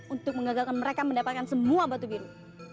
untuk mengagalkan mereka mendapatkan semua batu biru